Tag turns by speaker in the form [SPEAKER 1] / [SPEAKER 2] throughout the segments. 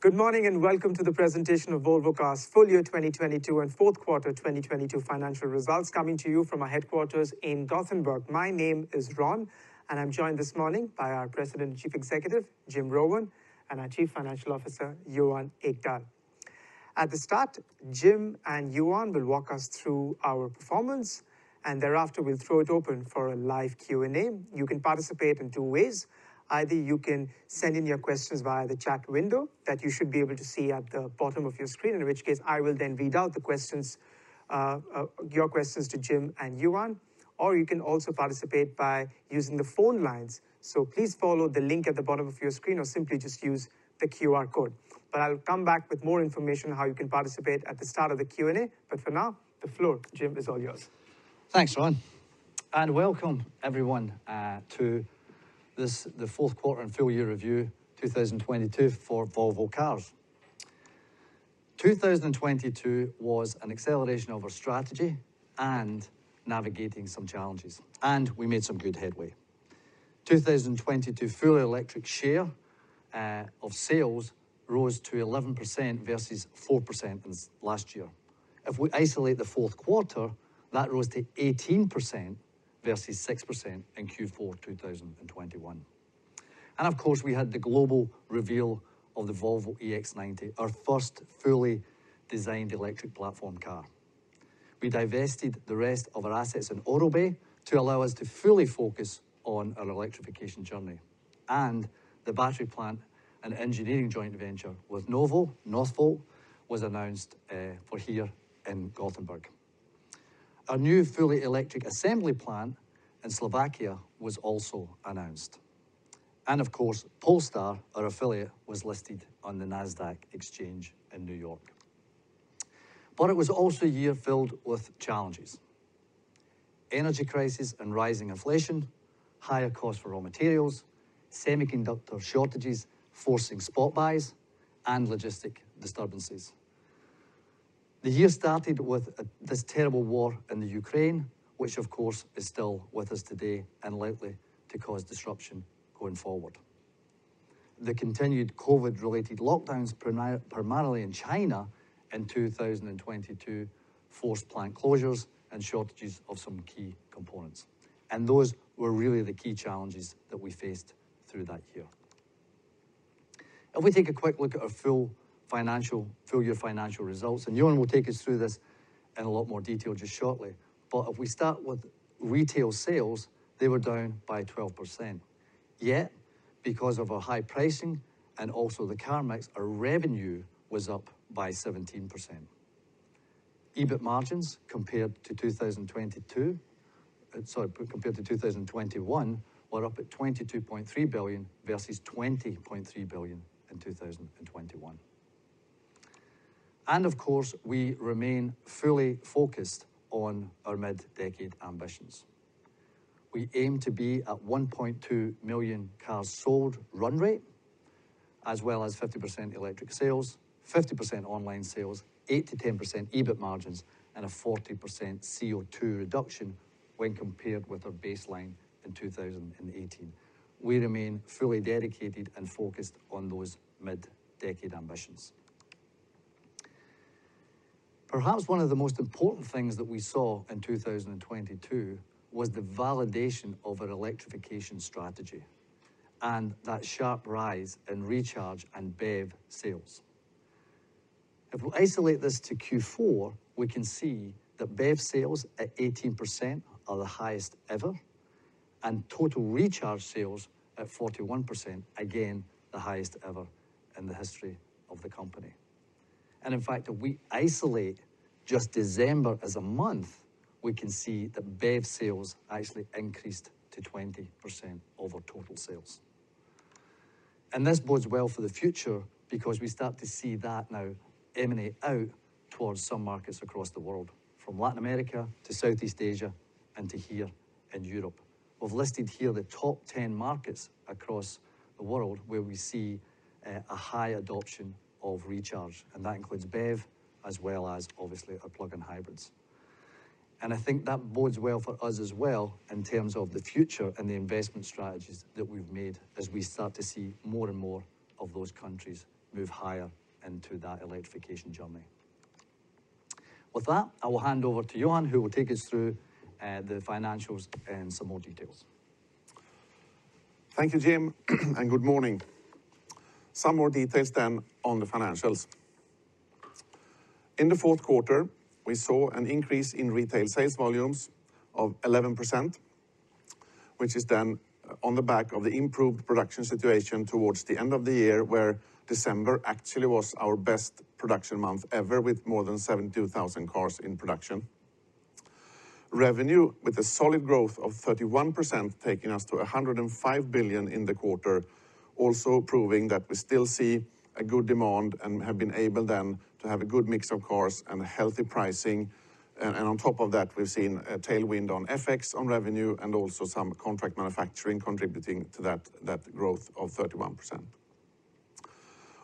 [SPEAKER 1] Good morning, welcome to the presentation of Volvo Cars' full year 2022 and fourth quarter 2022 financial results coming to you from our headquarters in Gothenburg. My name is Ron, and I'm joined this morning by our President and Chief Executive, Jim Rowan, and our Chief Financial Officer, Johan Ekdahl. At the start, Jim and Johan will walk us through our performance, and thereafter we'll throw it open for a live Q&A. You can participate in two ways. Either you can send in your questions via the chat window that you should be able to see at the bottom of your screen, in which case I will then read out the questions, your questions to Jim and Johan, or you can also participate by using the phone lines. Please follow the link at the bottom of your screen or simply just use the QR code. I'll come back with more information on how you can participate at the start of the Q&A. For now, the floor, Jim, is all yours.
[SPEAKER 2] Thanks, Ron. Welcome, everyone, to this, the fourth quarter and full year review 2022 for Volvo Cars. In 2022 was an acceleration of our strategy and navigating some challenges, and we made some good headway. 2022 full-electric share of sales rose to 11% versus 4% last year. If we isolate the fourth quarter, that rose to 18% versus 6% in Q4 2021. Of course, we had the global reveal of the Volvo EX90, our first fully designed electric platform car. We divested the rest of our assets in Aurobay to allow us to fully focus on our electrification journey. The battery plant and engineering joint venture with Northvolt was announced for here in Gothenburg. Our new fully electric assembly plant in Slovakia was also announced. Of course, Polestar, our affiliate, was listed on the NASDAQ exchange in New York. It was also a year filled with challenges. Energy crisis and rising inflation, higher cost for raw materials, semiconductor shortages forcing spot buys and logistic disturbances. The year started with this terrible war in Ukraine, which of course is still with us today and likely to cause disruption going forward. The continued COVID-related lockdowns primarily in China in 2022 forced plant closures and shortages of some key components. Those were really the key challenges that we faced through that year. If we take a quick look at our full year financial results, and Johan will take us through this in a lot more detail just shortly. If we start with retail sales, they were down by 12%. Because of our high pricing and also the car mix, our revenue was up by 17%. EBIT margins compared to 2022, sorry, compared to 2021, were up at 22.3 billion versus 20.3 billion in 2021. Of course, we remain fully focused on our mid-decade ambitions. We aim to be at 1.2 million cars sold run rate, as well as 50% electric sales, 50% online sales, 8%-10% EBIT margins, and a 40% CO₂ reduction when compared with our baseline in 2018. We remain fully dedicated and focused on those mid-decade ambitions. Perhaps one of the most important things that we saw in 2022 was the validation of our electrification strategy and that sharp rise in Recharge and BEV sales. If we isolate this to Q4, we can see that BEV sales at 18% are the highest ever, and total Recharge sales at 41%, again, the highest ever in the history of the company. In fact, if we isolate just December as a month, we can see that BEV sales actually increased to 20% of our total sales. This bodes well for the future because we start to see that now emanate out towards some markets across the world, from Latin America to Southeast Asia and to here in Europe. We've listed here the top 10 markets across the world where we see a high adoption of Recharge, and that includes BEV as well as obviously our plug-in hybrids. I think that bodes well for us as well in terms of the future and the investment strategies that we've made as we start to see more and more of those countries move higher into that electrification journey. With that, I will hand over to Johan, who will take us through the financials in some more detail.
[SPEAKER 3] Thank you, Jim. Good morning. Some more details on the financials. In the fourth quarter, we saw an increase in retail sales volumes of 11%, which is then on the back of the improved production situation towards the end of the year, where December actually was our best production month ever with more than 72,000 cars in production. Revenue with a solid growth of 31%, taking us to 105 billion in the quarter, also proving that we still see a good demand and have been able then to have a good mix of cars and a healthy pricing. On top of that, we've seen a tailwind on FX, on revenue, and also some contract manufacturing contributing to that growth of 31%.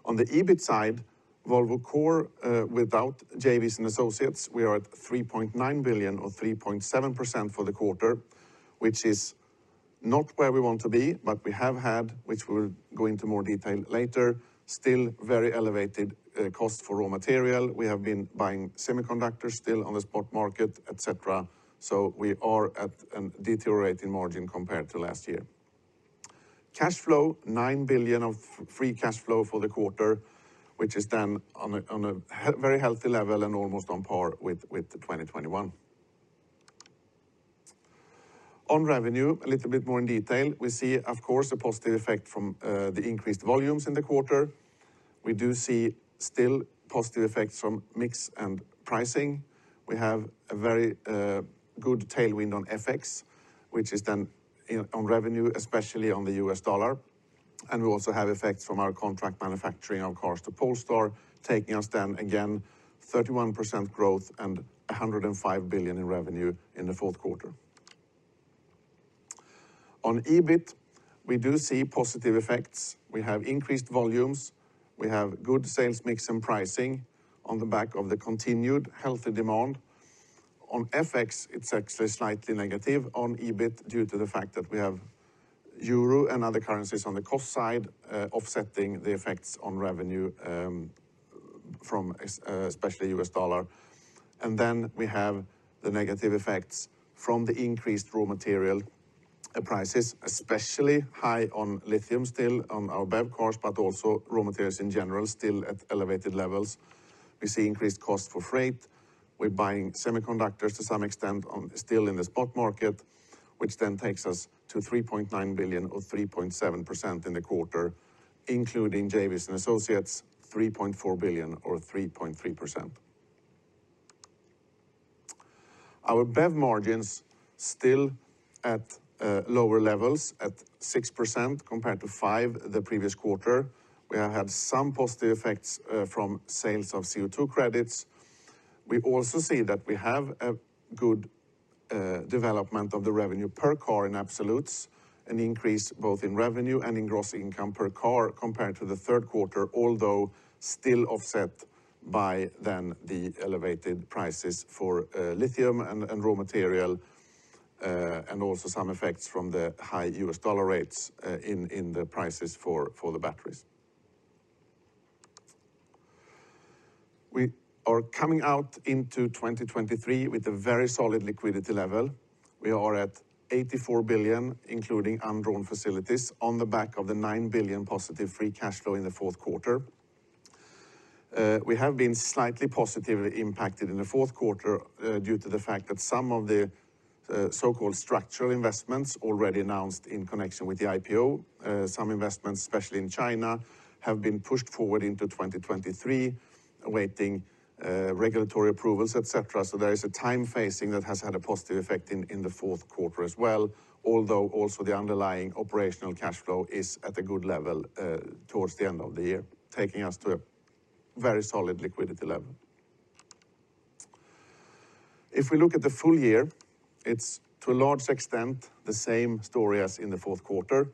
[SPEAKER 3] On the EBIT side, Volvo Cars, without JVs and associates, we are at 3.9 billion or 3.7% for the quarter. Not where we want to be, we have had, which we'll go into more detail later, still very elevated cost for raw material. We have been buying semiconductors still on the spot market, et cetera, we are at an deteriorating margin compared to last year. Cash flow, 9 billion of free cash flow for the quarter, which is then on a very healthy level and almost on par with the 2021. On revenue, a little bit more in detail, we see, of course, a positive effect from the increased volumes in the quarter. We do see still positive effects from mix and pricing. We have a very good tailwind on FX, which is then in, on revenue, especially on the U.S. dollar. We also have effects from our contract manufacturing of cars to Polestar, taking us then again, 31% growth and 105 billion in revenue in the fourth quarter. On EBIT, we do see positive effects. We have increased volumes, we have good sales mix and pricing on the back of the continued healthy demand. On FX, it's actually slightly negative on EBIT due to the fact that we have EUR and other currencies on the cost side, offsetting the effects on revenue, especially U.S. dollar. Then we have the negative effects from the increased raw material prices, especially high on lithium still on our BEV cars, but also raw materials in general, still at elevated levels. We see increased cost for freight. We're buying semiconductors to some extent on, still in the spot market, which then takes us to 3.9 billion or 3.7% in the quarter, including JVs and associates, 3.4 billion or 3.3%. Our BEV margins still at lower levels at 6% compared to 5% the previous quarter. We have had some positive effects from sales of CO2 credits. We also see that we have a good development of the revenue per car in absolutes, an increase both in revenue and in gross income per car compared to the third quarter, although still offset by then the elevated prices for lithium and raw materials, and also some effects from the high U.S. dollar rates in the prices for the batteries. We are coming out into 2023 with a very solid liquidity level. We are at 84 billion, including undrawn facilities on the back of the 9 billion positive free cash flow in the fourth quarter. We have been slightly positively impacted in the fourth quarter, due to the fact that some of the so-called structural investments already announced in connection with the IPO, some investments, especially in China, have been pushed forward into 2023, awaiting regulatory approvals, et cetera. There is a time phasing that has had a positive effect in the fourth quarter as well, although also the underlying operational cash flow is at a good level towards the end of the year, taking us to a very solid liquidity level. If we look at the full year, it's to a large extent the same story as in the fourth quarter.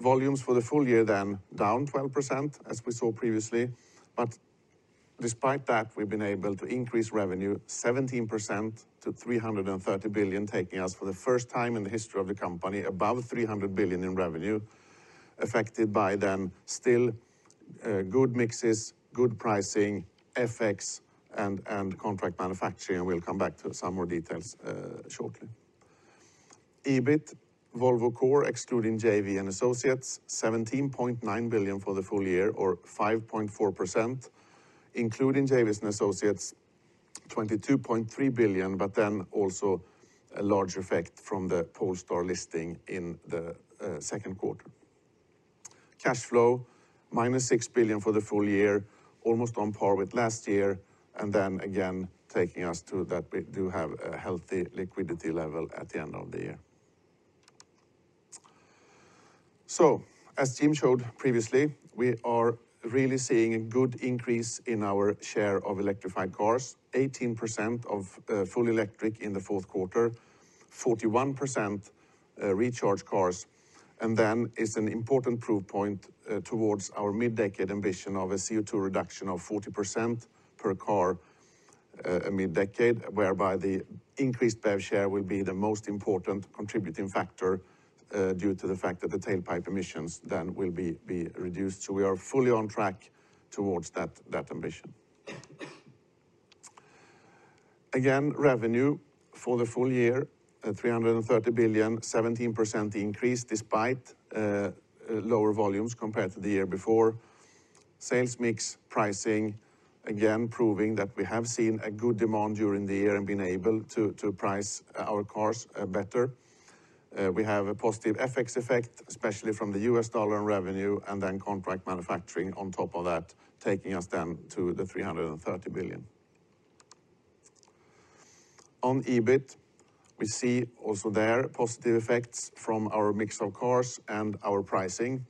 [SPEAKER 3] Volumes for the full year down 12%, as we saw previously. Despite that, we've been able to increase revenue 17% to 330 billion, taking us for the first time in the history of the company above 300 billion in revenue, affected by still good mixes, good pricing, FX, and contract manufacturing. We'll come back to some more details shortly. EBIT, Volvo Cors, excluding JVs and associates, 17.9 billion for the full year or 5.4%, including JVs and associates, 22.3 billion, also a large effect from the Polestar listing in the second quarter. Cash flow, -6 billion for the full year, almost on par with last year, taking us to that we do have a healthy liquidity level at the end of the year. As Jim showed previously, we are really seeing a good increase in our share of electrified cars, 18% of full electric in the fourth quarter, 41% Recharge cars. Then it's an important proof point towards our mid-decade ambition of a CO₂ reduction of 40% per car mid-decade, whereby the increased BEV share will be the most important contributing factor due to the fact that the tailpipe emissions then will be reduced. We are fully on track towards that ambition. Again, revenue for the full year at 330 billion, 17% increase despite lower volumes compared to the year before. Sales mix pricing, again, proving that we have seen a good demand during the year and been able to price our cars better. We have a positive FX effect, especially from the U.S. dollar in revenue and then contract manufacturing on top of that, taking us then to 330 billion. On EBIT, we see also there positive effects from our mix of cars and our pricing.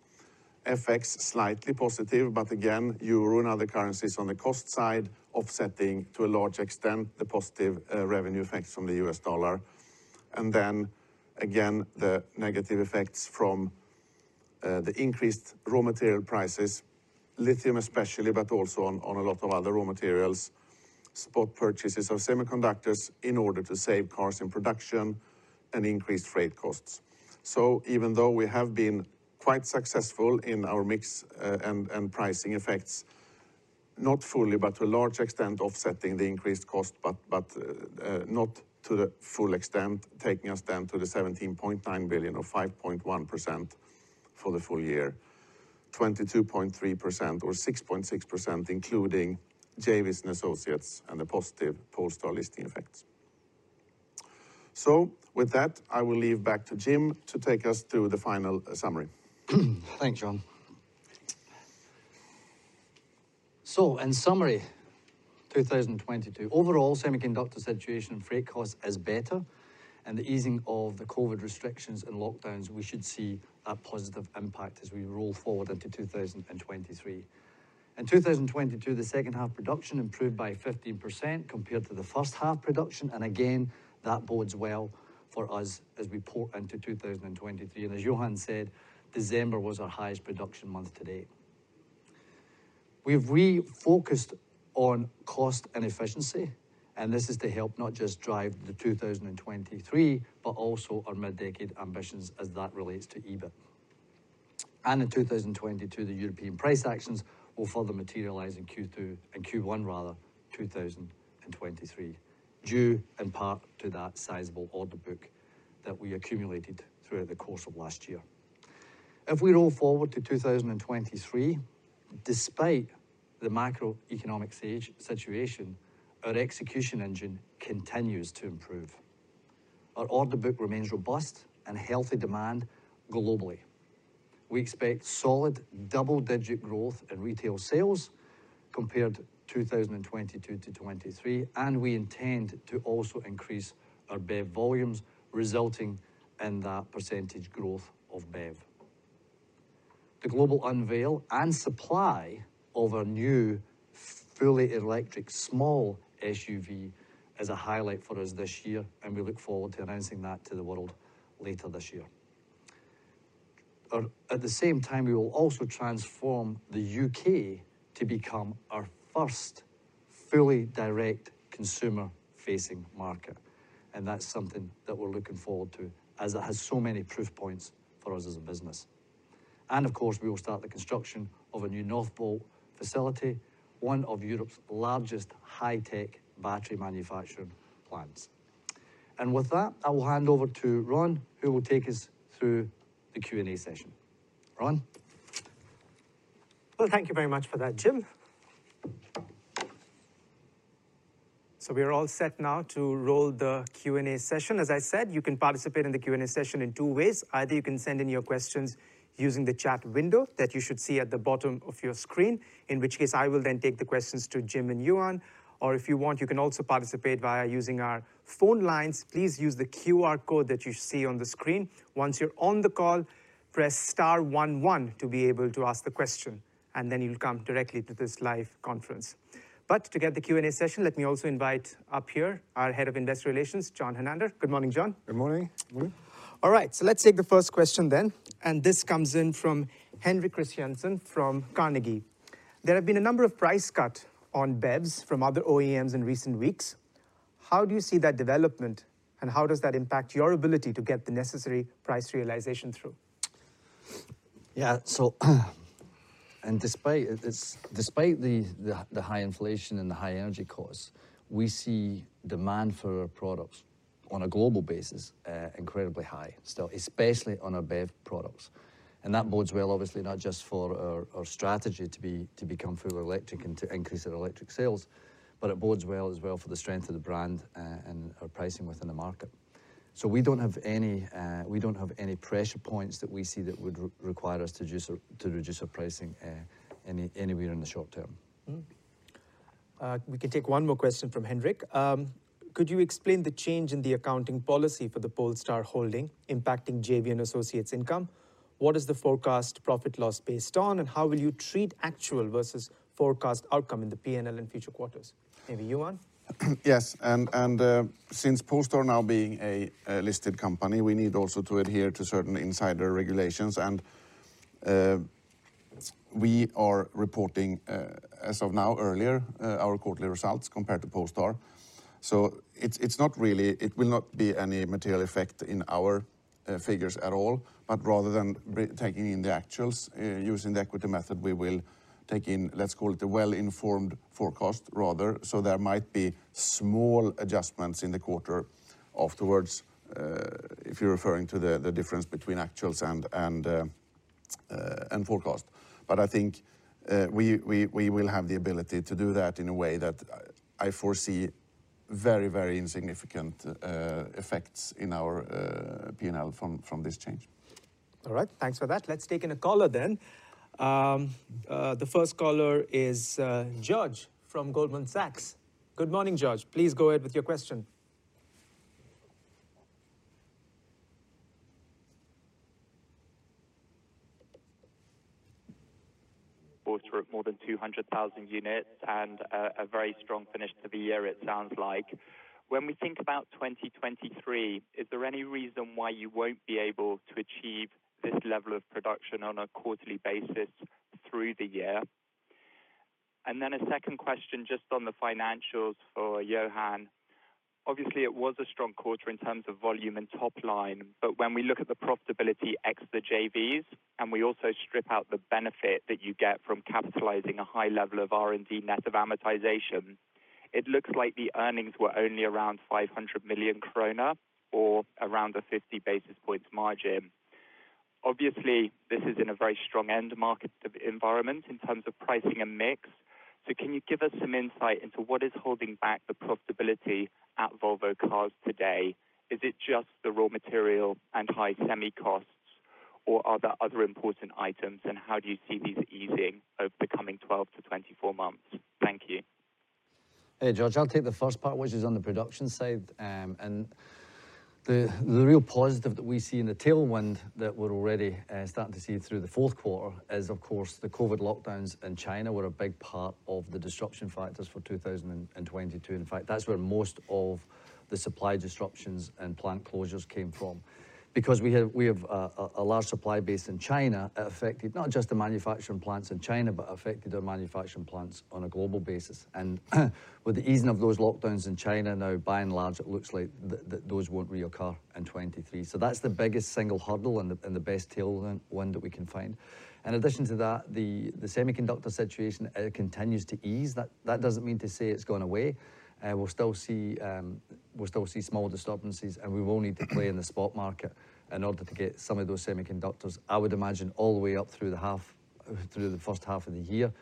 [SPEAKER 3] FX slightly positive, but again, EUR and other currencies on the cost side offsetting to a large extent the positive revenue effects from the U.S. dollar. Again, the negative effects from the increased raw material prices, lithium especially, but also on a lot of other raw materials. Spot purchases of semiconductors in order to save cars in production and increased freight costs. Even though we have been quite successful in our mix, and pricing effects, not fully but to a large extent offsetting the increased cost, but not to the full extent, taking us down to 17.9 billion or 5.1% for the full year. 22.3% or 6.6%, including JVs and associates and the positive Polestar listing effects. With that, I will leave back to Jim to take us to the final summary.
[SPEAKER 2] Thanks, Johan. In summary, 2022. Overall, semiconductor situation and freight cost is better and the easing of the COVID restrictions and lockdowns, we should see a positive impact as we roll forward into 2023. In 2022, the second half production improved by 15% compared to the first half production. Again, that bodes well for us as we pour into 2023. As Johan said, December was our highest production month to date. We've refocused on cost and efficiency, and this is to help not just drive 2023 but also our mid-decade ambitions as that relates to EBIT. In 2022, the EURpean price actions will further materialize in Q2. In Q1 2023, due in part to that sizable order book that we accumulated throughout the course of last year. We roll forward to 2023, despite the macroeconomic situation, our execution engine continues to improve. Our order book remains robust and healthy demand globally. We expect solid double-digit growth in retail sales compared 2022 to 2023. We intend to also increase our BEV volumes, resulting in that percentage growth of BEV. The global unveil and supply of our new fully electric small SUV is a highlight for us this year. We look forward to announcing that to the world later this year. At the same time, we will also transform the U.K. to become our first fully direct consumer-facing market. That's something that we're looking forward to as it has so many proof points for us as a business. Of course, we will start the construction of a new Northvolt facility, one of EURpe's largest high-tech battery manufacturing plants. With that, I will hand over to Ron, who will take us through the Q&A session. Ron?
[SPEAKER 1] Well, thank you very much for that, Jim. We are all set now to roll the Q&A session. As I said, you can participate in the Q&A session in two ways. Either you can send in your questions using the chat window that you should see at the bottom of your screen, in which case I will then take the questions to Jim and Johan. If you want, you can also participate via using our phone lines. Please use the QR code that you see on the screen. Once you're on the call, press star one one to be able to ask the question, you'll come directly to this live conference. To get the Q&A session, let me also invite up here our Head of Investor Relations, John Hernander. Good morning, John.
[SPEAKER 4] Good morning.
[SPEAKER 5] All right, let's take the first question then. This comes in from Henrik Christiansson from Carnegie. There have been a number of price cuts on BEVs from other OEMs in recent weeks. How do you see that development, and how does that impact your ability to get the necessary price realization through?
[SPEAKER 2] Yeah. Despite this, despite the high inflation and the high energy costs, we see demand for our products on a global basis, incredibly high still, especially on our BEV products. That bodes well, obviously, not just for our strategy to become fully electric and to increase our electric sales, but it bodes well as well for the strength of the brand and our pricing within the market. We don't have any pressure points that we see that would require us to reduce our pricing anywhere in the short term.
[SPEAKER 1] We can take one more question from Henrik. Could you explain the change in the accounting policy for the Polestar Holding impacting JVs and associates income? What is the forecast profit loss based on, and how will you treat actual versus forecast outcome in the P&L in future quarters? Maybe Johan.
[SPEAKER 3] Yes. Since Polestar now being a listed company, we need also to adhere to certain insider regulations. We are reporting as of now, earlier, our quarterly results compared to Polestar. It's not really. It will not be any material effect in our figures at all. Rather than taking in the actuals, using the equity method, we will take in, let's call it a well-informed forecast rather. There might be small adjustments in the quarter afterwards, if you're referring to the difference between actuals and forecast. I think we will have the ability to do that in a way that I foresee very, very insignificant effects in our P&L from this change.
[SPEAKER 1] All right. Thanks for that. Let's take in a caller then. The first caller is George from Goldman Sachs. Good morning, George. Please go ahead with your question.
[SPEAKER 6] A quarter of more than 200,000 units and a very strong finish to the year it sounds like. When we think about 2023, is any reason why you won't be able to achieve this level of production on a quarterly basis through the year? A second question just on the financials for Johan. Obviously, it was a strong quarter in terms of volume and top line, when we look at the profitability ex the JVs, and we also strip out the benefit that you get from capitalizing a high level of R&D net of amortization, it looks like the earnings were only around 500 million kronor or around a 50 basis points margin. Obviously, this is in a very strong end market environment in terms of pricing and mix. Can you give us some insight into what is holding back the profitability at Volvo Cars today? Is it just the raw material and high semi costs or are there other important items, and how do you see these easing over the coming 12-24 months? Thank you.
[SPEAKER 2] Hey, George. I'll take the first part, which is on the production side. The real positive that we see in the tailwind that we're already starting to see through the fourth quarter is of course the COVID lockdowns in China were a big part of the disruption factors for 2022. In fact, that's where most of the supply disruptions and plant closures came from. We have a large supply base in China, it affected not just the manufacturing plants in China, but affected our manufacturing plants on a global basis. With the easing of those lockdowns in China now, by and large, it looks like those won't reoccur in 2023. That's the biggest single hurdle and the best tailwind that we can find. In addition to that, the semiconductor situation, it continues to ease. That doesn't mean to say it's gone away. We'll still see small disturbances, and we will need to play in the spot market in order to get some of those semiconductors, I would imagine all the way up through the half, through the first half of the year.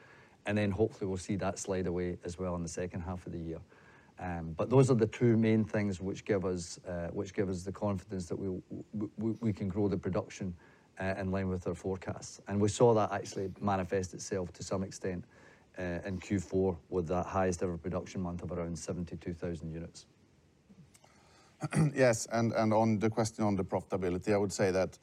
[SPEAKER 2] Hopefully we'll see that slide away as well in the second half of the year. But those are the two main things which give us the confidence that we can grow the production in line with our forecasts. We saw that actually manifest itself to some extent in Q4 with that highest ever production month of around 72,000 units.
[SPEAKER 3] Yes. On the question on the profitability, I would say that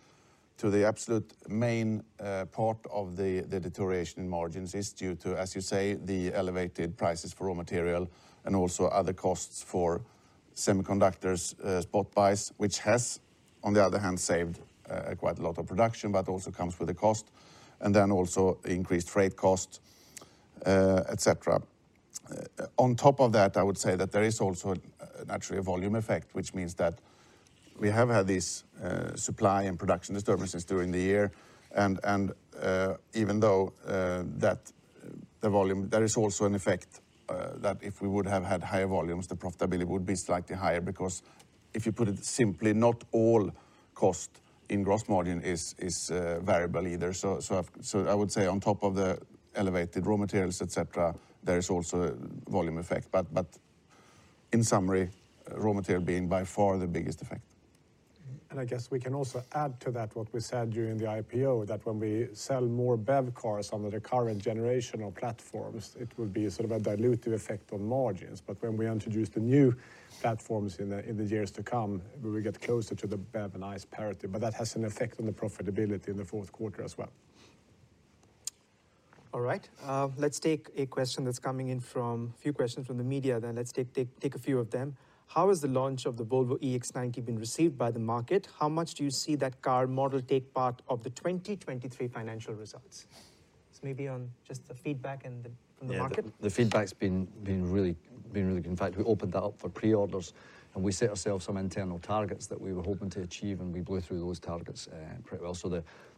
[SPEAKER 3] to the absolute main part of the deterioration in margins is due to, as you say, the elevated prices for raw materials and also other costs for semiconductors, spot buys, which has, on the other hand, saved quite a lot of production, but also comes with a cost. Then also increased freight costs, et cetera. On top of that, I would say that there is also naturally a volume effect, which means that we have had these supply and production disturbances during the year and even though that the volume, there is also an effect that if we would have had higher volumes, the profitability would be slightly higher because if you put it simply, not all cost in gross margin is variable either. I would say on top of the elevated raw materials, et cetera, there is also volume effect. In summary, raw material being by far the biggest effect.
[SPEAKER 1] I guess we can also add to that what we said during the IPO, that when we sell more BEV cars under the current generation of platforms, it would be sort of a dilutive effect on margins. When we introduce the new platforms in the years to come, we will get closer to the BEV and ICE parity, but that has an effect on the profitability in the fourth quarter as well. Let's take a few questions from the media. Let's take a few of them. How has the launch of the Volvo EX90 been received by the market? How much do you see that car model take part of the 2023 financial results? Maybe on just the feedback from the market.
[SPEAKER 2] Yeah. The feedback's been really good. In fact, we opened that up for pre-orders, and we set ourselves some internal targets that we were hoping to achieve, and we blew through those targets, pretty well.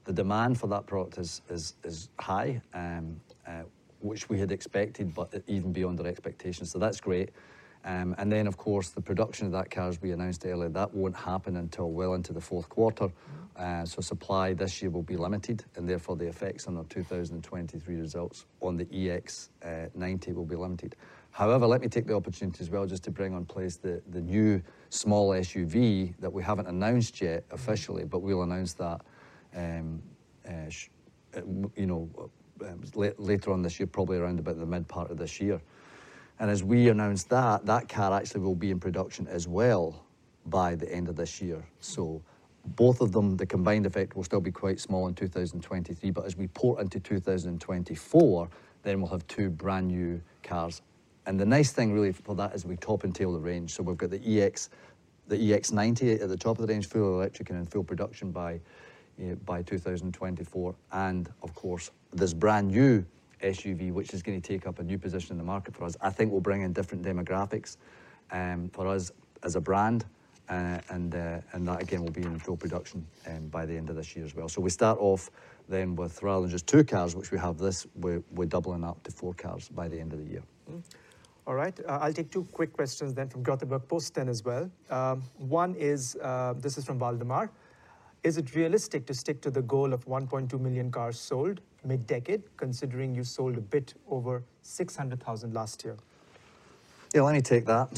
[SPEAKER 2] The demand for that product is high, which we had expected, but even beyond our expectations. That's great. Of course, the production of that car, as we announced earlier, that won't happen until well into the fourth quarter. Supply this year will be limited, and therefore the effects on our 2023 results on the EX90 will be limited. Let me take the opportunity as well just to bring into place the new small SUV that we haven't announced yet officially, but we'll announce that, you know, later on this year, probably around about the mid part of this year. As we announce that car actually will be in production as well by the end of this year. Both of them, the combined effect will still be quite small in 2023, but as we port into 2024, then we'll have two brand-new cars. The nice thing really for that is we top and tail the range. We've got the EX90 at the top of the range, full electric and in full production by, you know, by 2024. This brand-new SUV, which is gonna take up a new position in the market for us, I think will bring in different demographics for us as a brand. That again will be in full production by the end of this year as well. We start off with rather than just two cars, which we have this, we're doubling up to four cars by the end of the year.
[SPEAKER 1] All right. I'll take two quick questions then from Göteborgs-Posten as well. One is, this is from Waldemar. Is it realistic to stick to the goal of 1.2 million cars sold mid-decade, considering you sold a bit over 600,000 last year?
[SPEAKER 2] Yeah, let me take that.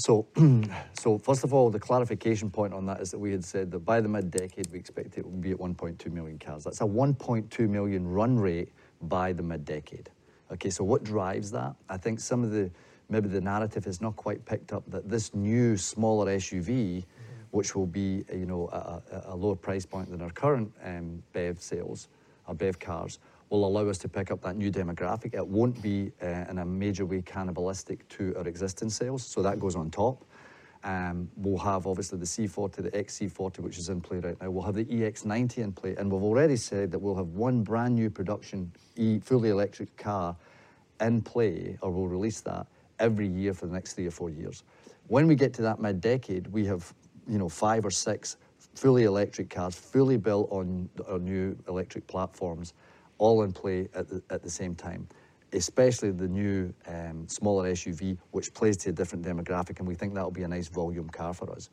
[SPEAKER 2] First of all, the clarification point on that is that we had said that by the mid-decade, we expect it will be at 1.2 million cars. That's a 1.2 million run rate by the mid-decade. What drives that? I think some of the, maybe the narrative has not quite picked up that this new smaller SUV, which will be, you know, a lower price point than our current BEV sales, our BEV cars, will allow us to pick up that new demographic. It won't be in a major way cannibalistic to our existing sales, it goes on top. We'll have obviously the C40, the XC40, which is in play right now. We'll have the Volvo EX90 in play, we've already said that we'll have one brand new production fully electric car in play, or we'll release that every year for the next three or four years. When we get to that mid-decade, we have, you know, five or six fully electric cars, fully built on new electric platforms, all in play at the same time, especially the new smaller SUV, which plays to a different demographic, we think that will be a nice volume car for us.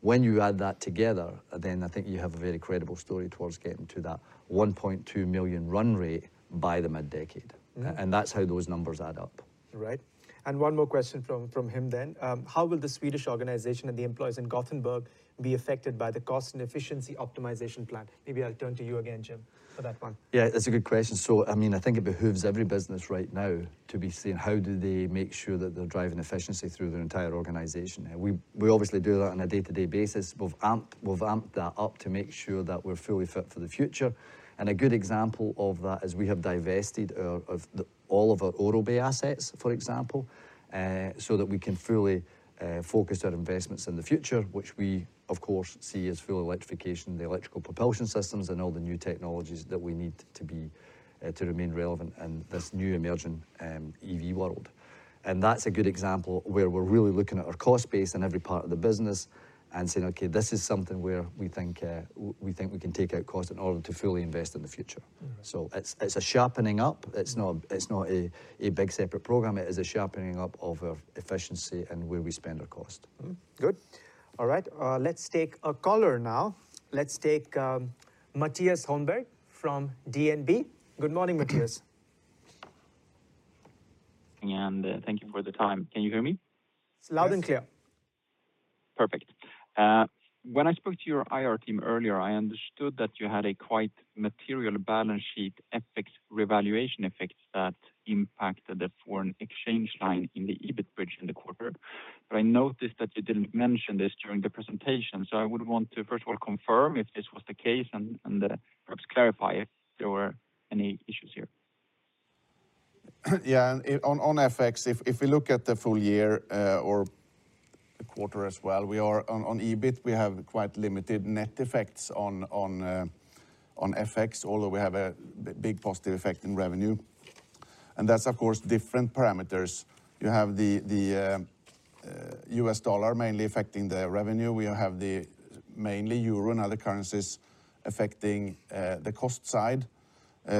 [SPEAKER 2] When you add that together, I think you have a very credible story towards getting to that 1.2 million run rate by the mid-decade.
[SPEAKER 1] Mm-hmm.
[SPEAKER 2] That's how those numbers add up.
[SPEAKER 1] Right. One more question from him then. How will the Swedish organization and the employees in Gothenburg be affected by the cost and efficiency optimization plan? Maybe I'll turn to you again, Jim, for that one.
[SPEAKER 2] Yeah, that's a good question. I mean, I think it behooves every business right now to be seeing how do they make sure that they're driving efficiency through their entire organization. We obviously do that on a day-to-day basis. We've amped that up to make sure that we're fully fit for the future. A good example of that is we have divested all of our Aurobay assets, for example, so that we can fully focus our investments in the future, which we of course see as full electrification, the electrical propulsion systems and all the new technologies that we need to be to remain relevant in this new emerging EV world. That's a good example where we're really looking at our cost base in every part of the business and saying, "Okay, this is something where we think, we think we can take out costs in order to fully invest in the future.
[SPEAKER 1] All right.
[SPEAKER 2] It's, it's a sharpening up. It's not, it's not a big separate program. It is a sharpening up of our efficiency and where we spend our costs.
[SPEAKER 1] Mm-hmm. Good. All right. Let's take a caller now. Let's take Mattias Holmberg from DNB. Good morning, Mattias.
[SPEAKER 7] Thank you for the time. Can you hear me?
[SPEAKER 4] It's loud and clear.
[SPEAKER 7] Perfect. When I spoke to your IR team earlier, I understood that you had a quite material balance sheet FX revaluation effects that impacted the foreign exchange line in the EBIT bridge in the quarter. I noticed that you didn't mention this during the presentation. I would want to first of all confirm if this was the case and perhaps clarify if there were any issues here?
[SPEAKER 3] Yeah. On FX, if we look at the full year, or the quarter as well, we are on EBIT, we have quite limited net effects on FX, although we have a big positive effect in revenue. That's of course different parameters. You have the U.S. dollar mainly affecting the revenue. We have the mainly EUR and other currencies affecting the cost side.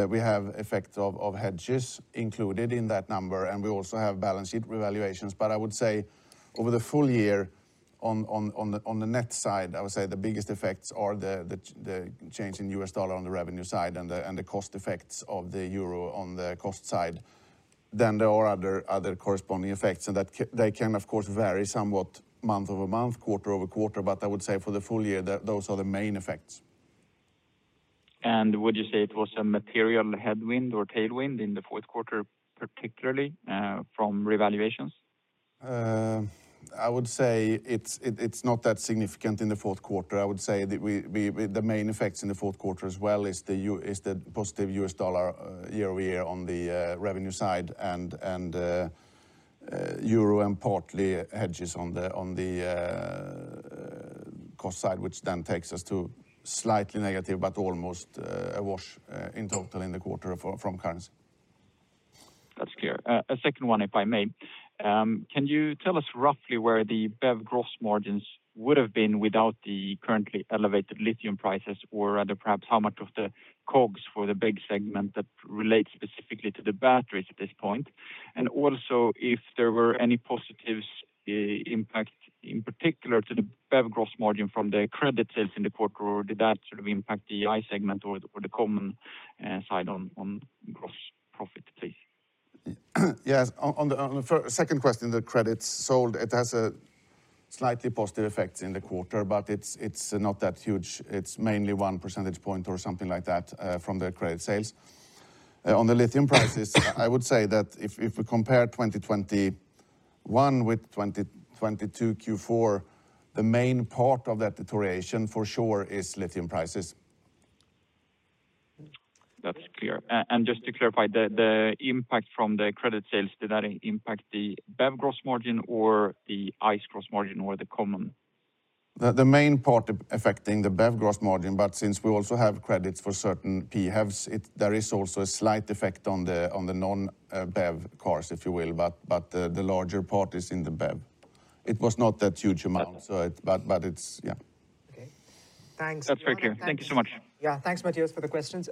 [SPEAKER 3] We have effect of hedges included in that number, and we also have balance sheet revaluations. I would say over the full year on the net side, I would say the biggest effects are the change in U.S. dollar on the revenue side and the cost effects of the EUR on the cost side. There are other corresponding effects, and they can of course vary somewhat month-over-month, quarter-over-quarter. I would say for the full year, those are the main effects.
[SPEAKER 7] Would you say it was a material headwind or tailwind in the fourth quarter, particularly, from revaluations?
[SPEAKER 3] I would say it's not that significant in the fourth quarter. I would say we the main effects in the fourth quarter as well is the positive U.S. dollar year-over-year on the revenue side and EUR and partly hedges on the cost side, which then takes us to slightly negative but almost a wash in total in the quarter for, from currency.
[SPEAKER 7] That's clear. A second one, if I may. Can you tell us roughly where the BEV gross margins would have been without the currently elevated lithium prices, or rather perhaps how much of the COGS for the BEV segment that relates specifically to the batteries at this point? Also if there were any positives impact in particular to the BEV gross margin from the credit sales in the quarter, or did that sort of impact the ICE segment or the common side on gross profit please?
[SPEAKER 3] Yes. On the second question, the credits sold, it has a slightly positive effect in the quarter, but it's not that huge. It's mainly one percentage point or something like that from the credit sales. On the lithium prices, I would say that if we compare 2021 with Q4 2022, the main part of that deterioration for sure is lithium prices.
[SPEAKER 7] That's clear. Just to clarify, the impact from the credit sales, did that impact the BEV gross margin or the ICE gross margin or the common?
[SPEAKER 3] The main part affecting the BEV gross margin, since we also have credits for certain PHEVs, there is also a slight effect on the non-BEV cars, if you will. The larger part is in the BEV. It was not that huge amount.
[SPEAKER 7] Okay.
[SPEAKER 3] But Yeah.
[SPEAKER 4] Okay. Thanks.
[SPEAKER 7] That's very clear. Thank you so much.
[SPEAKER 1] Thanks, Mattias, for the questions.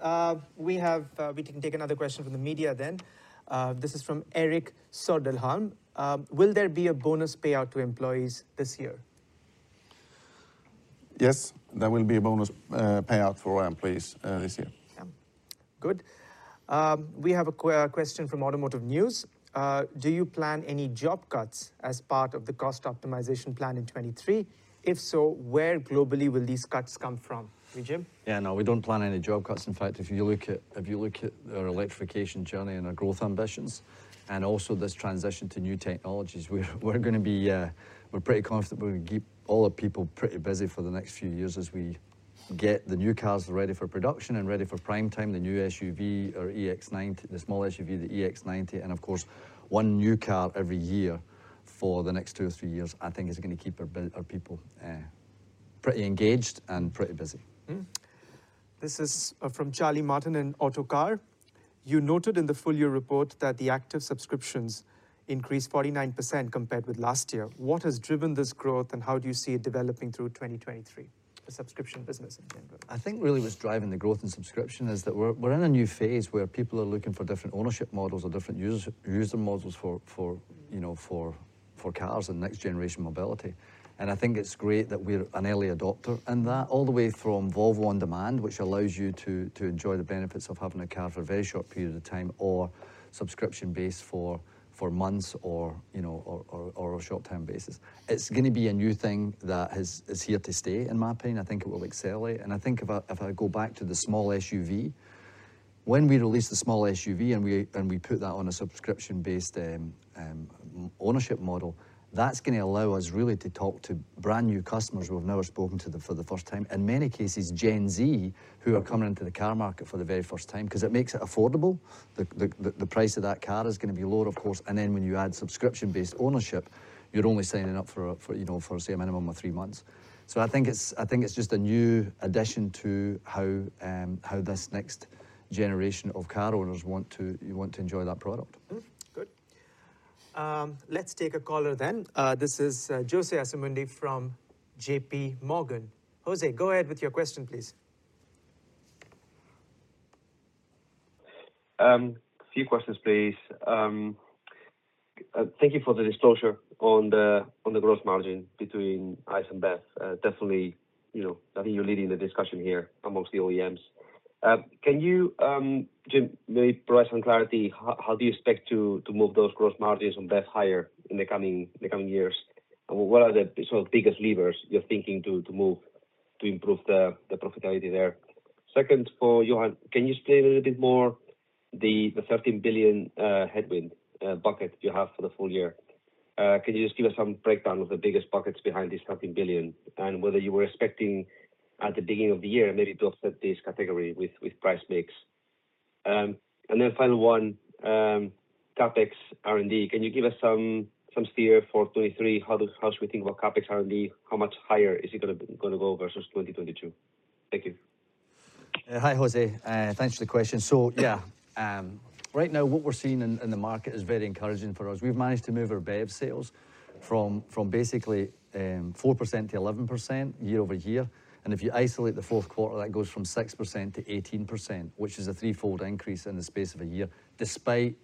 [SPEAKER 1] We can take another question from the media. This is from Erik Söderholm. Will there be a bonus payout to employees this year?
[SPEAKER 3] Yes, there will be a bonus payout for our employees this year.
[SPEAKER 1] Yeah. Good. We have a question from Automotive News. Do you plan any job cuts as part of the cost optimization plan in 2023? If so, where globally will these cuts come from? Jim?
[SPEAKER 2] Yeah. No, we don't plan any job cuts. In fact, if you look at, if you look at our electrification journey and our growth ambitions and also this transition to new technologies, we're gonna be, we're pretty confident we're gonna keep all our people pretty busy for the next few years as we get the new cars ready for production and ready for prime time, the new SUV or EX90, the small SUV, the EX90, and of course, 1 new car every year for the next two or three years, I think is going to keep our people pretty engaged and pretty busy.
[SPEAKER 1] This is from Charlie Martin in Autocar. You noted in the full year report that the active subscriptions increased 49% compared with last year. What has driven this growth, and how do you see it developing through 2023, the subscription business in general?
[SPEAKER 2] I think really what's driving the growth in subscription is that we're in a new phase where people are looking for different ownership models or different user models for, you know, for cars and next-generation mobility. I think it's great that we're an early adopter in that, all the way from Volvo On Demand, which allows you to enjoy the benefits of having a car for a very short period of time or subscription base for months or, you know, or a short-term basis. It's gonna be a new thing that is here to stay, in my opinion. I think it will accelerate. I think if I go back to the small SUV, when we release the small SUV and we put that on a subscription-based ownership model, that's gonna allow us really to talk to brand-new customers we've never spoken to them for the first time. In many cases, Gen Z, who are coming into the car market for the very first time 'cause it makes it affordable. The price of that car is gonna be lower, of course. When you add subscription-based ownership, you're only signing up for, you know, for say a minimum of three months. I think it's, I think it's just a new addition to how this next generation of car owners want to enjoy that product.
[SPEAKER 1] Mm-hmm. Good. Let's take a caller then. This is Jose Asumendi from J.P. Morgan. Jose, go ahead with your question, please.
[SPEAKER 8] A few questions, please. Thank you for the disclosure on the growth margin between ICE and BEV. Definitely, you know, I think you're leading the discussion here amongst the OEMs. Can you, Jim, maybe provide some clarity, how do you expect to move those growth margins on BEV higher in the coming years? What are the sort of biggest levers you're thinking to move to improve the profitability there? Second, for Johan, can you explain a little bit more the 13 billion headwind bucket you have for the full year? Can you just give us some breakdown of the biggest buckets behind this 13 billion and whether you were expecting at the beginning of the year maybe to offset this category with price mix? Final one, CapEx R&D. Can you give us some steer for 2023? How should we think about CapEx and R&D? How much higher is it gonna go versus 2022? Thank you.
[SPEAKER 2] Hi, Jose. Thanks for the question. Yeah, right now what we're seeing in the market is very encouraging for us. We've managed to move our BEV sales from basically 4% to 11% year-over-year. If you isolate the fourth quarter, that goes from 6% to 18%, which is a threefold increase in the space of a year, despite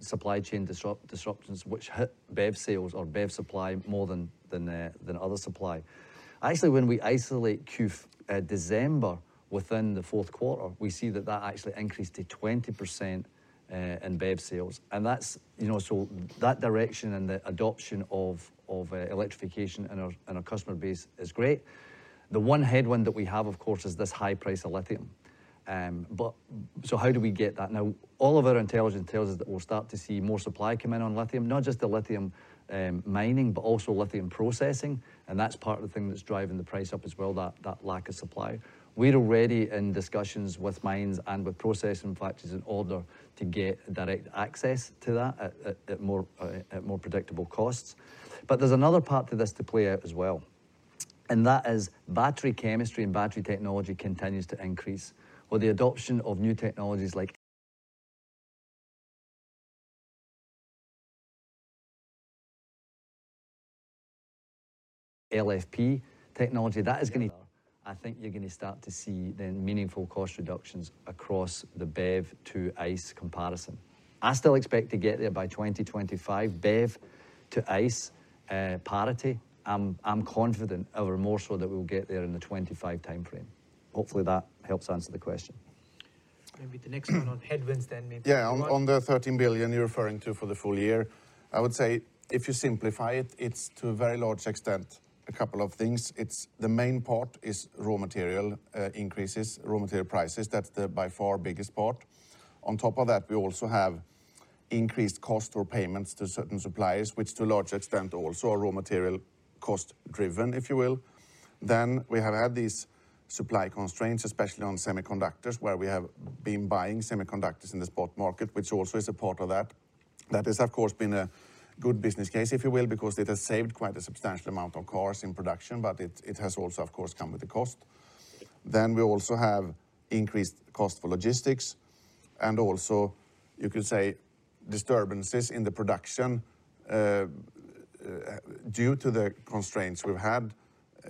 [SPEAKER 2] supply chain disruptions which hit BEV sales or BEV supply more than other supply. Actually, when we isolate Q4 December within the fourth quarter, we see that that actually increased to 20% in BEV sales. That's, you know, so that direction and the adoption of electrification in our customer base is great. The one headwind that we have, of course, is this high price of lithium. How do we get that down? Now, all of our intelligence tells us that we'll start to see more supply come in on lithium, not just the lithium mining, but also lithium processing, and that's part of the thing that's driving the price up as well, that lack of supply. We're already in discussions with mines and with processing factories in order to get direct access to that at more predictable costs. There's another part to this to play out as well, and that is battery chemistry and battery technology continues to increase. With the adoption of new technologies like LFP technology, I think you're gonna start to see then meaningful cost reductions across the BEV to ICE comparison. I still expect to get there by 2025, BEV to ICE parity. I'm confident ever more so that we'll get there in the 2025 timeframe. Hopefully, that helps answer the question.
[SPEAKER 4] Maybe the next one on headwinds then.
[SPEAKER 3] On the 13 billion you're referring to for the full year, I would say if you simplify it's to a very large extent, a couple of things. It's the main part is raw material increases, raw material prices. That's the, by far, biggest part. On top of that, we also have increased costs or payments to certain suppliers, which to a large extent also are raw material cost-driven, if you will. We have had these supply constraints, especially on semiconductors, where we have been buying semiconductors in the spot market, which also is a part of that. That has, of course, been a good business case, if you will, because it has saved quite a substantial amount of cars in production, but it has also, of course, come with a cost. We also have increased cost for logistics and also you could say disturbances in the production due to the constraints we've had,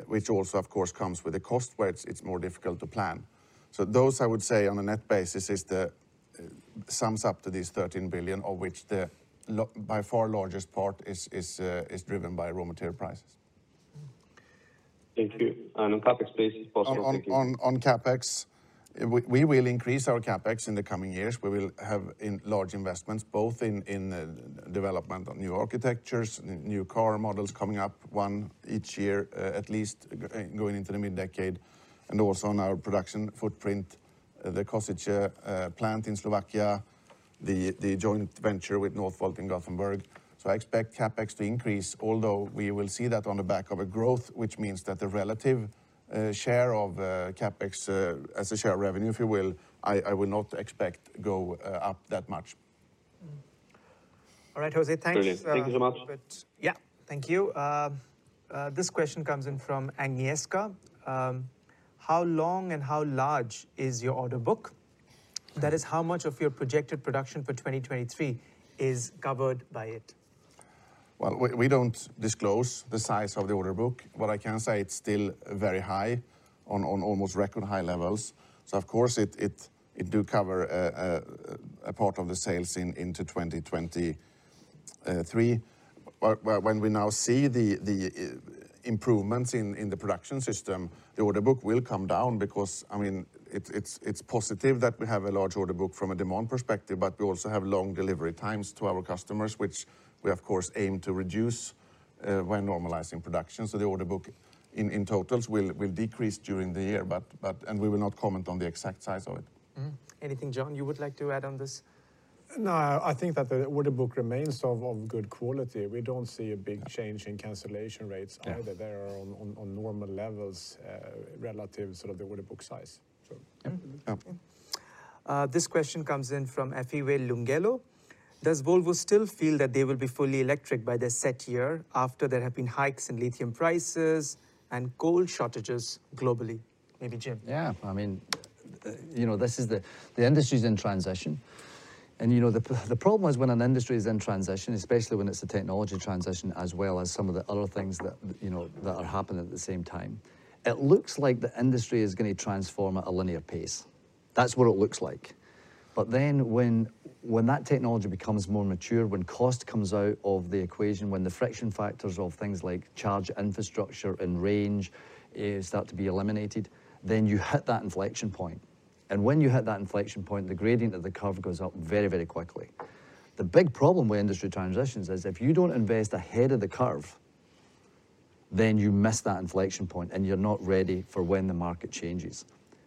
[SPEAKER 3] which also of course comes with a cost where it's more difficult to plan. Those, I would say on a net basis is the sum up to these 13 billion of which the by far largest part is driven by raw material prices.
[SPEAKER 8] Thank you. On CapEx, please, if possible. Thank you.
[SPEAKER 3] On CapEx, we will increase our CapEx in the coming years. We will have in large investments both in development of new architectures, new car models coming up, one each year, at least going into the mid-decade, and also on our production footprint. The Košice plant in Slovakia. The joint venture with Northvolt in Gothenburg. I expect CapEx to increase, although we will see that on the back of a growth, which means that the relative share of CapEx as a share of revenue, if you will, I would not expect it to go up that much.
[SPEAKER 1] Mm-hmm. All right, Jose. Thanks.
[SPEAKER 2] Thank you. Thank you very much.
[SPEAKER 1] Yeah. Thank you. This question comes in from Agneska. How long and how large is your order book? That is, how much of your projected production for 2023 is covered by it?
[SPEAKER 3] We don't disclose the size of the order book. What I can say it's still very high on almost record high levels. Of course it do cover a part of the sales into 2023. When we now see the improvements in the production system, the order book will come down because I mean, it's positive that we have a large order book from a demand perspective, but we also have long delivery times to our customers, which we of course aim to reduce when normalizing production. The order book in totals will decrease during the year. We will not comment on the exact size of it.
[SPEAKER 5] Mm-hmm. Anything, Jon, you would like to add on this?
[SPEAKER 4] No. I think that the order book remains of good quality. We don't see a big change in cancellation rates either.
[SPEAKER 3] Yeah.
[SPEAKER 4] They are on normal levels, relative sort of the order book size.
[SPEAKER 3] Yeah.
[SPEAKER 1] Mm-hmm.
[SPEAKER 3] Yeah.
[SPEAKER 1] This question comes in from Efiwe Lungelo. Does Volvo still feel that they will be fully electric by their set year after there have been hikes in lithium prices and coal shortages globally? Maybe Jim.
[SPEAKER 2] Yeah. I mean, you know, the industry's in transition and, you know, the problem is when an industry is in transition, especially when it's a technology transition as well as some of the other things that, you know, that are happening at the same time, it looks like the industry is gonna transform at a linear pace. That's what it looks like. When that technology becomes more mature, when cost comes out of the equation, when the friction factors of things like charge infrastructure and range start to be eliminated, then you hit that inflection point. When you hit that inflection point, the gradient of the curve goes up very, very quickly. The big problem with industry transitions is if you don't invest ahead of the curve, then you miss that inflection point, and you're not ready for when the market changes.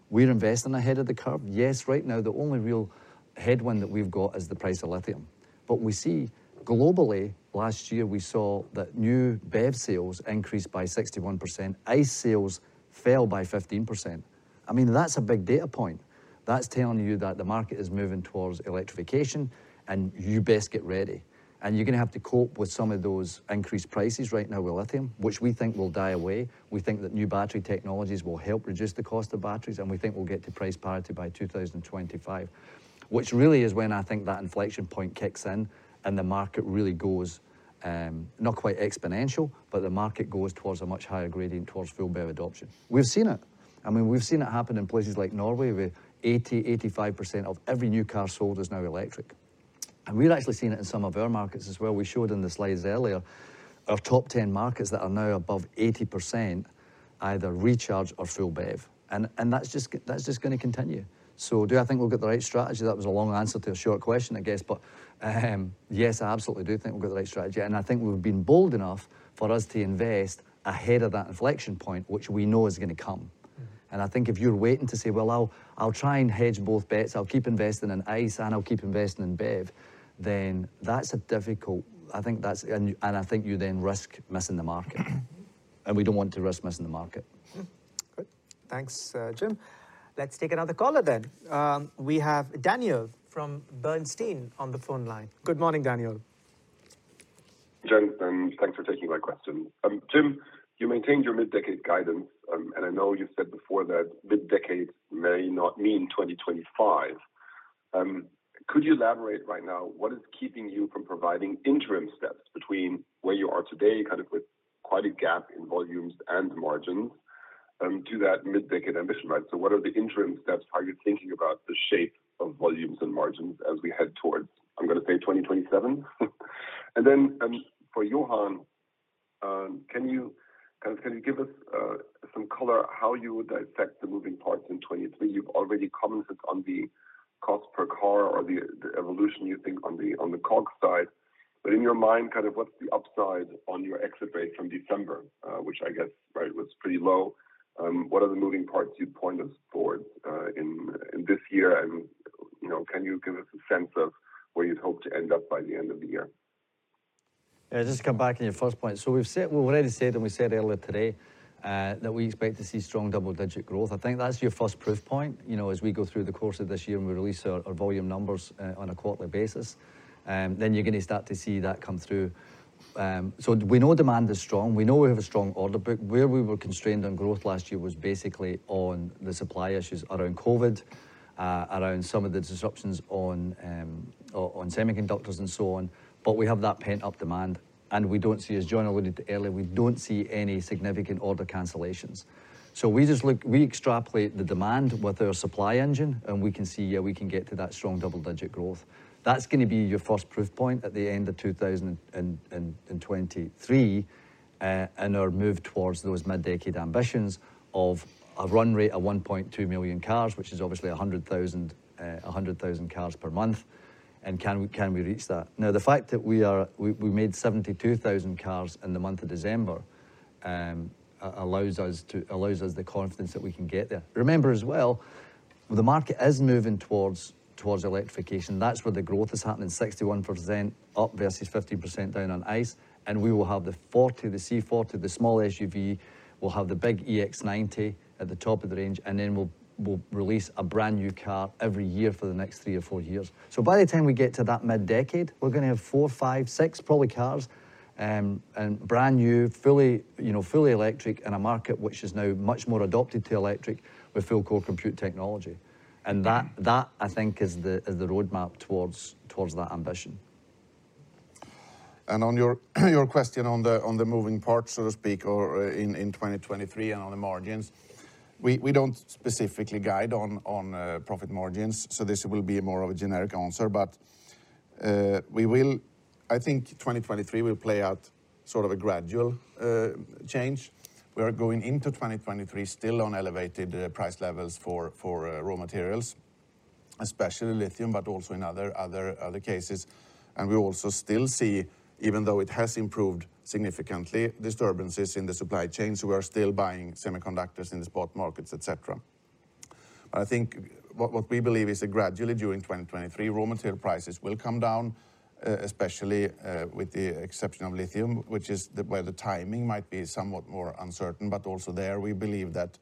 [SPEAKER 2] We're investing ahead of the curve. Yes, right now, the only real headwind that we've got is the price of lithium. We see globally, last year, we saw that new BEV sales increased by 61%. ICE sales fell by 15%. I mean, that's a big data point. That's telling you that the market is moving towards electrification, and you best get ready, and you're gonna have to cope with some of those increased prices right now with lithium, which we think will die down. We think that new battery technologies will help reduce the cost of batteries, and we think we'll get to price parity by 2025, which really is when I think that inflection point kicks in, and the market really goes, not quite exponential, but the market goes towards a much higher gradient towards full BEV adoption. We've seen it. I mean, we've seen it happen in places like Norway, where 80%-85% of every new car sold is now electric. We've actually seen it in some of our markets as well. We showed in the slides earlier our top 10 markets that are now above 80% either Recharge or full BEV, and that's just gonna continue. Do I think we'll get the right strategy? That was a long answer to a short question, I guess. Yes, I absolutely do think we've got the right strategy, and I think we've been bold enough for us to invest ahead of that inflection point, which we know is gonna come.
[SPEAKER 1] Mm-hmm.
[SPEAKER 2] I think if you're waiting to say, "Well, I'll try and hedge both bets. I'll keep investing in ICE, and I'll keep investing in BEV," then that's I think that's. I think you then risk missing the market.
[SPEAKER 1] Mm-hmm.
[SPEAKER 2] We don't want to risk missing the market.
[SPEAKER 1] Good. Thanks, Jim. Let's take another caller. We have Daniel from Bernstein on the phone line. Good morning, Daniel.
[SPEAKER 9] Gentlemen, thanks for taking my question. Jim, you maintained your mid-decade guidance. I know you said before that mid-decade may not mean 2025. Could you elaborate right now what is keeping you from providing interim steps between where you are today, kind of with quite a gap in volumes and margins, to that mid-decade ambition, right? What are the interim steps? How are you thinking about the shape of volumes and margins as we head towards, I'm gonna say, 2027? For Johan, can you, kind of, can you give us some color how you would affect the moving parts in 2023? You've already commented on the cost per car or the evolution you think on the COGS side. In your mind, kind of what's the upside on your exit rate from December, which I guess, right, was pretty low? What are the moving parts you'd point us towards in this year? You know, can you give us a sense of where you'd hope to end up by the end of the year?
[SPEAKER 2] Just to come back on your first point. We've said, we've already said, we said earlier today that we expect to see strong double-digit growth. I think that's your first proof point. You know, as we go through the course of this year, we release our volume numbers on a quarterly basis, then you're gonna start to see that come through. We know demand is strong. We know we have a strong order book. Where we were constrained on growth last year was basically on the supply issues around COVID, around some of the disruptions on semiconductors and so on. We have that pent-up demand. We don't see, as John alluded to earlier, we don't see any significant order cancellations. We just look, we extrapolate the demand with our supply engine, and we can see, yeah, we can get to that strong double-digit growth. That's gonna be your first proof point at the end of 2023, and our move towards those mid-decade ambitions of a run rate of 1.2 million cars, which is obviously 100,000 cars per month. Can we reach that? The fact that we made 72,000 cars in the month of December allows us the confidence that we can get there. Remember as well, the market is moving towards electrification. That's where the growth is happening. 61% up versus 50% down on ICE, and we will have the C40, the small SUV, we'll have the big EX90 at the top of the range, and then we'll release a brand-new car every year for the next three or four years. By the time we get to that mid-decade, we're gonna have four, five, six probably cars, and brand new, fully, you know, fully electric in a market which is now much more adopted to electric with full core compute technology. That I think is the roadmap towards that ambition.
[SPEAKER 3] On your question on the moving parts, so to speak, in 2023 and on the margins, we don't specifically guide on profit margins, so this will be more of a generic answer. I think 2023 will play out sort of a gradual change. We are going into 2023 still on elevated price levels for raw materials, especially lithium, but also in other cases. We also still see, even though it has improved significantly, disturbances in the supply chains. We are still buying semiconductors in the spot markets, et cetera. I think what we believe is that gradually during 2023, raw material prices will come down, especially with the exception of lithium, where the timing might be somewhat more uncertain. Also there, we believe that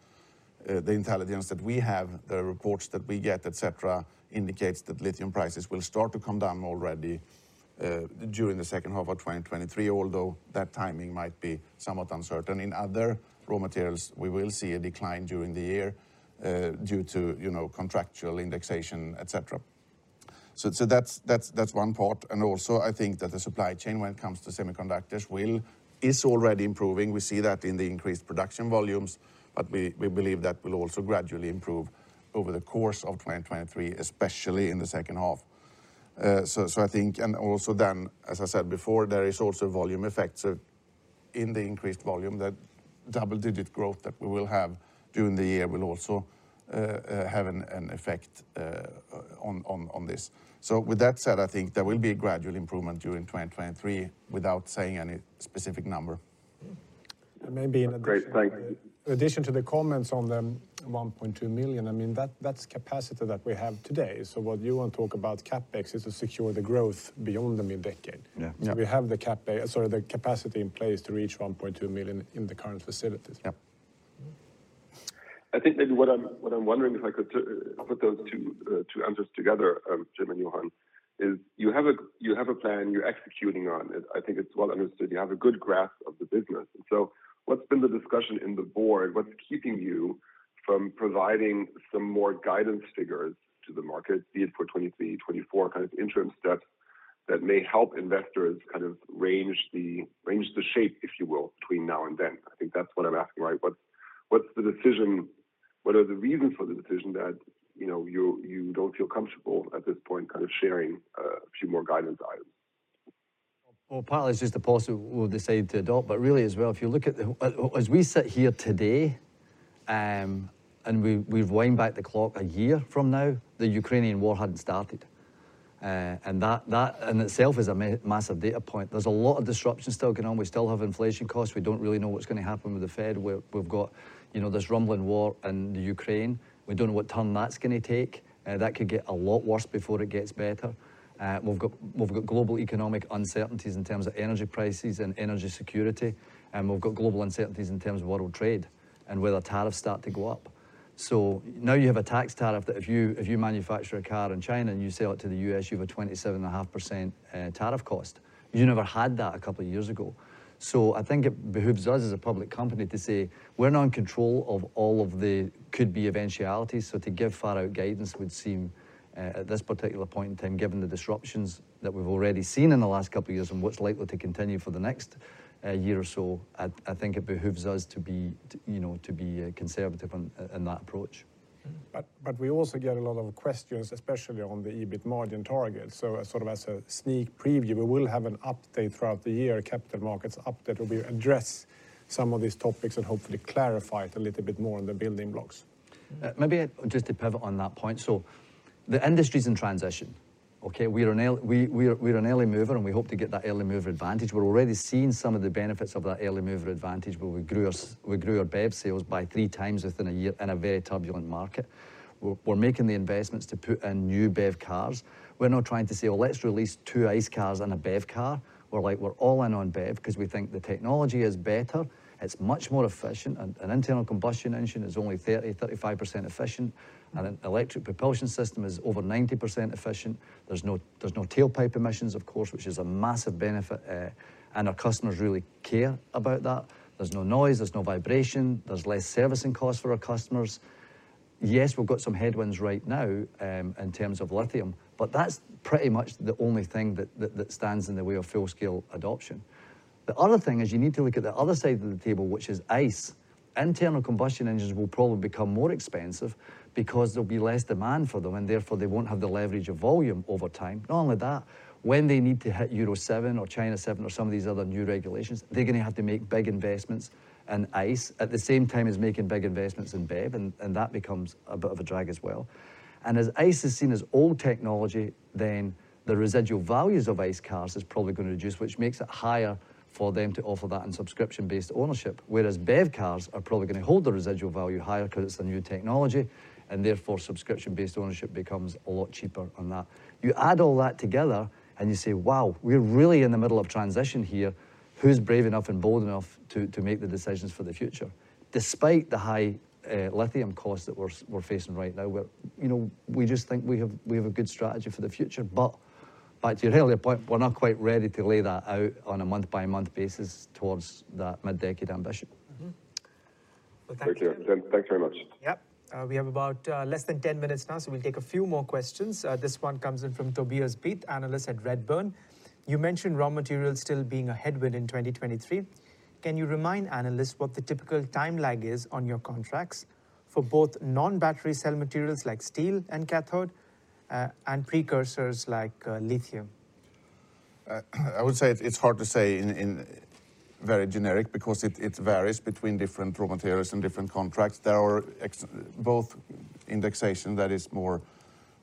[SPEAKER 3] the intelligence that we have, the reports that we get, et cetera, indicates that lithium prices will start to come down already during the second half of 2023, although that timing might be somewhat uncertain. In other raw materials, we will see a decline during the year, due to, you know, contractual indexation, et cetera. That's one part. Also, I think that the supply chain when it comes to semiconductors is already improving. We see that in the increased production volumes, but we believe that will also gradually improve over the course of 2023, especially in the second half. I think and also then, as I said before, there is also volume effects of in the increased volume, that double-digit growth that we will have during the year will also have an effect on this. With that said, I think there will be a gradual improvement during 2023 without saying any specific number.
[SPEAKER 2] Yeah.
[SPEAKER 1] Maybe in addition...
[SPEAKER 9] Great.
[SPEAKER 1] In addition to the comments on the 1.2 million, I mean, that's capacity that we have today. What Johan talk about CapEx is to secure the growth beyond the mid-decade.
[SPEAKER 3] Yeah.
[SPEAKER 1] We have the capacity in place to reach 1.2 million in the current facilities.
[SPEAKER 3] Yep.
[SPEAKER 9] I think maybe what I'm wondering, if I could put those two answers together, Jim Rowan and Johan Ekdahl, is you have a plan, you're executing on it. I think it's well understood. You have a good grasp of the business. What's been the discussion in the board? What's keeping you from providing some more guidance figures to the market, be it for 23, 24, kind of interim steps that may help investors kind of range the shape, if you will, between now and then? I think that's what I'm asking, right? What's the decision? What are the reasons for the decision that, you know, you don't feel comfortable at this point kind of sharing a few more guidance items?
[SPEAKER 2] Well, partly it's just the policy we've decided to adopt. Really as well, if you look at, as we sit here today, and we've wound back the clock a year from now, the Ukrainian war hadn't started. That in itself is a massive data point. There's a lot of disruption still going on. We still have inflation costs. We don't really know what's gonna happen with the Federal Reserve. We've got, you know, this rumbling war in Ukraine. We don't know what turn that's gonna take. That could get a lot worse before it gets better. We've got global economic uncertainties in terms of energy prices and energy security, and we've got global uncertainties in terms of world trade and whether tariffs start to go up. Now you have a tax tariff that if you manufacture a car in China and you sell it to the U.S., you have a 27.5% tariff cost. You never had that a couple of years ago. I think it behooves us as a public company to say we're not in control of all of the could be eventualities. To give far out guidance would seem at this particular point in time, given the disruptions that we've already seen in the last couple of years and what's likely to continue for the next year or so, I think it behooves us to be, you know, to be conservative in that approach.
[SPEAKER 1] We also get a lot of questions, especially on the EBIT margin target. Sort of as a sneak preview, we will have an update throughout the year, capital markets update, where we address some of these topics and hopefully clarify it a little bit more in the building blocks.
[SPEAKER 2] Maybe just to pivot on that point. The industry's in transition, okay? We are an early mover, and we hope to get that early mover advantage. We're already seeing some of the benefits of that early mover advantage, where we grew our BEV sales by three times within a year in a very turbulent market. We're, we're making the investments to put in new BEV cars. We're not trying to say, "Well, let's release two ICE cars and a BEV car." We're like, we're all in on BEV because we think the technology is better. It's much more efficient. An internal combustion engine is only 30%-35% efficient. An electric propulsion system is over 90% efficient. There's no, there's no tailpipe emissions, of course, which is a massive benefit. Our customers really care about that. There's no noise, there's no vibration, there's less servicing costs for our customers. Yes, we've got some headwinds right now, in terms of lithium. That's pretty much the only thing that stands in the way of full scale adoption. The other thing is you need to look at the other side of the table, which is ICE. Internal combustion engines will probably become more expensive because there'll be less demand for them. Therefore they won't have the leverage of volume over time. Not only that, when they need to hit Euro 7 or China 6 or some of these other new regulations, they're gonna have to make big investments in ICE at the same time as making big investments in BEV. That becomes a bit of a drag as well. As ICE is seen as old technology, then the residual values of ICE cars are probably gonna reduce, which makes it higher for them to offer that in subscription-based ownership. Whereas BEV cars are probably gonna hold the residual value higher because it's a new technology, therefore subscription-based ownership becomes a lot cheaper on that. You add all that together and you say, "Wow, we're really in the middle of transition here." Who's brave enough and bold enough to make the decisions for the future? Despite the high lithium costs that we're facing right now, you know, we just think we have a good strategy for the future. Back to your earlier point, we're not quite ready to lay that out on a month-by-month basis towards that mid-decade ambition.
[SPEAKER 4] Mm-hmm. Well, thank you.
[SPEAKER 9] Thank you. Jim, thanks very much.
[SPEAKER 1] Yep. We have about less than 10 minutes now, so we'll take a few more questions. This one comes in from Tobias Bieth, analyst at Redburn. You mentioned raw materials still being a headwind in 2023. Can you remind analysts what the typical timeline is on your contracts for both non-battery cell materials like steel and cathode, and precursors like lithium?
[SPEAKER 3] I would say it's hard to say in very generic because it varies between different raw materials and different contracts. There are both indexation that is more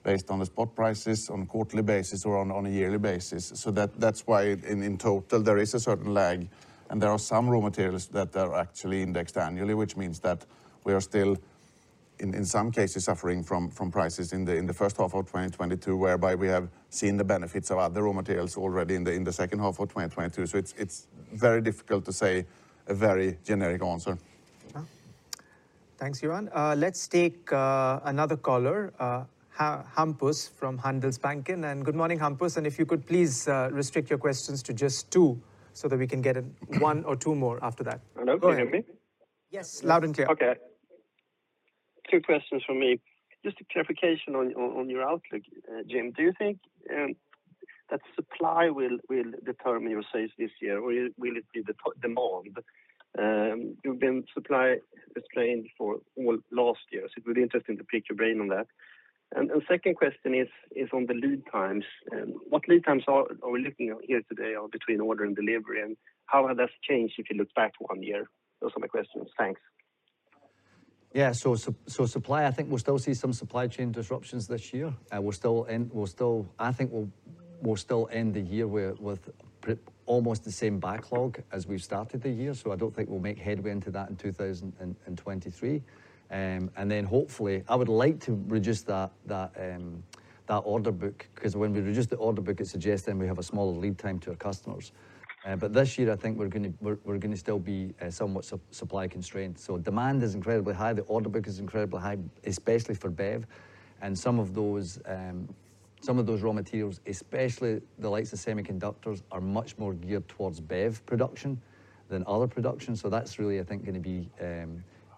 [SPEAKER 3] based on the spot prices on a quarterly basis or on a yearly basis. That's why in total there is a certain lag and there are some raw materials that are actually indexed annually, which means that we are still in some cases suffering from prices in the, in the first half of 2022, whereby we have seen the benefits of other raw materials already in the, in the second half of 2022. It's very difficult to say a very generic answer.
[SPEAKER 1] Yeah. Thanks, Johan. Let's take another caller, Hampus from Handelsbanken. Good morning, Hampus, and if you could please restrict your questions to just two so that we can get in one or two more after that.
[SPEAKER 10] Hello. Can you hear me?
[SPEAKER 1] Go ahead. Yes, loud and clear.
[SPEAKER 10] Okay. 2 questions from me. Just a clarification on your outlook, Jim. Do you think that supply will determine your sales this year, or will it be the demand? You've been supply constrained for all last year, so it'd be interesting to pick your brain on that. Second question is on the lead times. What lead times are we looking at here today or between order and delivery, and how has this changed if you look back one year? Those are my questions. Thanks.
[SPEAKER 2] Yeah. Supply, I think we'll still see some supply chain disruptions this year. We'll still end the year with almost the same backlog as we started the year. I don't think we'll make headway into that in 2023. Hopefully I would like to reduce that order book, 'cause when we reduce the order book, it suggests then we have a smaller lead time to our customers. This year I think we're gonna still be somewhat supply constrained. Demand is incredibly high. The order book is incredibly high, especially for BEV. Some of those raw materials, especially the likes of semiconductors, are much more geared towards BEV production than other production. That's really I think gonna be,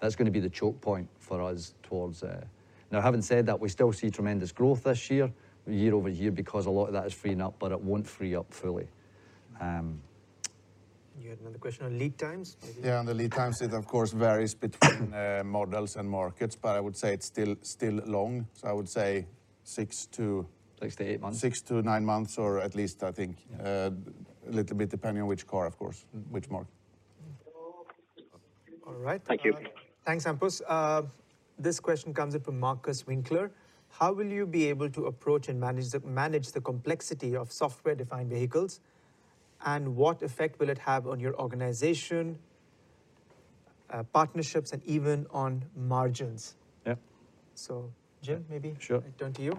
[SPEAKER 2] that's gonna be the choke point for us towards... Now, having said that, we still see tremendous growth this year-over-year, because a lot of that is freeing up, but it won't free up fully.
[SPEAKER 4] You had another question on lead times?
[SPEAKER 3] On the lead times, it of course varies between models and markets, but I would say it's still long. I would say six to.
[SPEAKER 2] Six to eight months.
[SPEAKER 3] Six to nine months, or at least I think, a little bit depending on which car of course, which mark.
[SPEAKER 4] All right.
[SPEAKER 10] Thank you.
[SPEAKER 1] Thanks, Hampus. This question comes in from Marcus Winkler. How will you be able to approach and manage the complexity of software-defined vehicles, and what effect will it have on your organization, partnerships, and even on margins?
[SPEAKER 2] Yep.
[SPEAKER 1] Jim
[SPEAKER 2] Sure.
[SPEAKER 1] turn to you.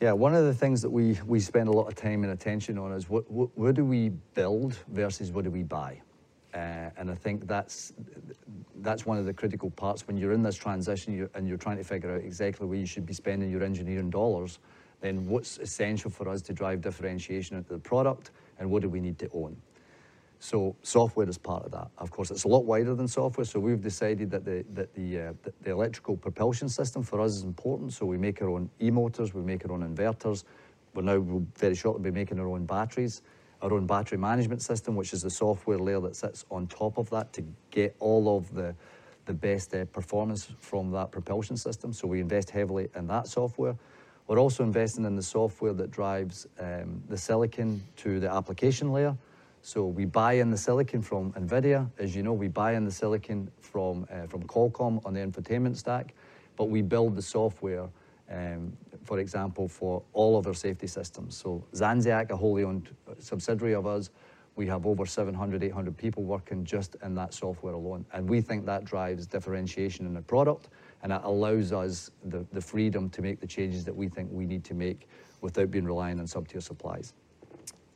[SPEAKER 2] Yeah. One of the things that we spend a lot of time and attention on is what do we build versus what do we buy? I think that's one of the critical parts when you're in this transition, you're trying to figure out exactly where you should be spending your engineering dollars, what's essential for us to drive differentiation into the product and what do we need to own. Software is part of that. Of course, it's a lot wider than software, so we've decided that the electrical propulsion system for us is important, so we make our own e-motors, we make our own inverters. We'll now very shortly be making our own batteries. Our own battery management system, which is a software layer that sits on top of that to get all of the best performance from that propulsion system. We invest heavily in that software. We're also investing in the software that drives the silicon to the application layer. We buy in the silicon from NVIDIA. As you know, we buy in the silicon from Qualcomm on the infotainment stack. We build the software, for example, for all of our safety systems. Zenseact, a wholly owned subsidiary of ours, we have over 700-800 people working just in that software alone. We think that drives differentiation in the product and that allows us the freedom to make the changes that we think we need to make without being reliant on sub-tier suppliers.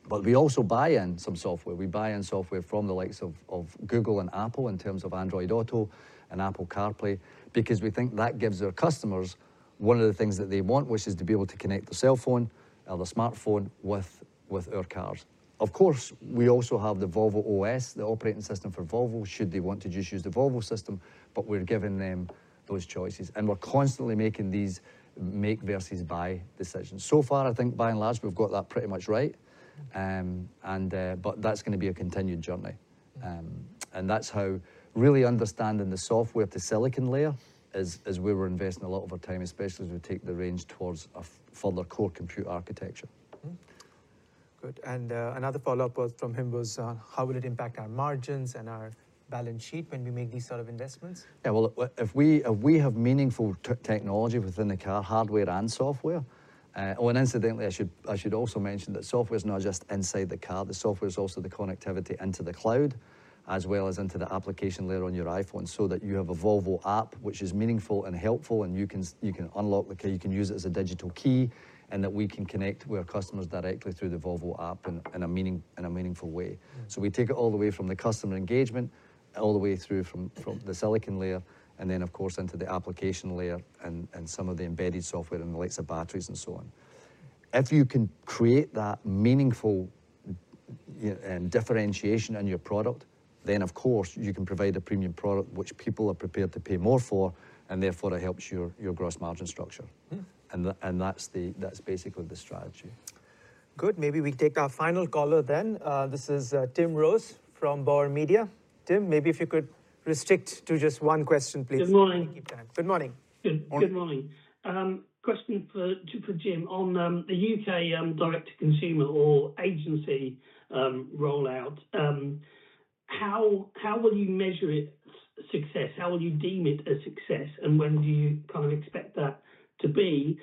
[SPEAKER 2] We also buy in some software. We buy in software from the likes of Google and Apple in terms of Android Auto and Apple CarPlay, because we think that gives our customers one of the things that they want, which is to be able to connect their cell phone, their smartphone with our cars. Of course, we also have the VolvoCars.OS, the operating system for Volvo, should they want to just use the Volvo system, but we're giving them those choices. We're constantly making these make versus buy decisions. Far, I think by and large, we've got that pretty much right. That's gonna be a continued journey. That's how really understanding the software at the silicon layer is where we're investing a lot of our time, especially as we take the range towards a further core compute architecture.
[SPEAKER 4] Good. Another follow-up from him was, how will it impact our margins and our balance sheet when we make these sort of investments?
[SPEAKER 2] Yeah. Well, if we, if we have meaningful technology within the car, hardware and software, and incidentally, I should also mention that software is not just inside the car. The software is also the connectivity into the cloud. As well as into the application layer on your iPhone so that you have a Volvo app which is meaningful and helpful, and you can unlock the car, you can use it as a digital key and that we can connect with our customers directly through the Volvo app in a meaningful way.
[SPEAKER 4] Mm.
[SPEAKER 2] We take it all the way from the customer engagement, all the way through from the silicon layer and then of course into the application layer and some of the embedded software and the likes of batteries and so on. If you can create that meaningful differentiation in your product, then of course you can provide a premium product which people are prepared to pay more for, and therefore it helps your gross margin structure.
[SPEAKER 4] Mm.
[SPEAKER 2] That's the, that's basically the strategy.
[SPEAKER 1] Good. Maybe we take our final caller then. This is Tim Rose from Bauer Media. Tim, maybe if you could restrict to just one question, please.
[SPEAKER 11] Good morning.
[SPEAKER 4] Keep time. Good morning.
[SPEAKER 11] Good morning. Question for Jim. On the U.K. direct to consumer or agency rollout, how will you measure its success? How will you deem it a success, and when do you kind of expect that to be?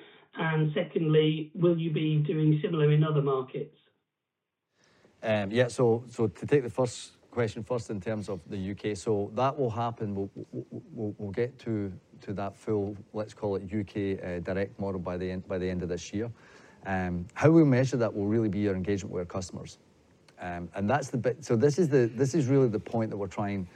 [SPEAKER 11] Secondly, will you be doing similar in other markets?
[SPEAKER 2] Yeah. To take the first question first in terms of the UK, that will happen. We'll get to that full, let's call it UK, direct model by the end of this year. How we measure that will really be our engagement with our customers. That's the bit. This is really the point that we're trying